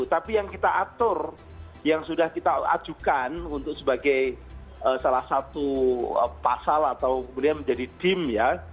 tapi yang kita atur yang sudah kita ajukan untuk sebagai salah satu pasal atau kemudian menjadi dim ya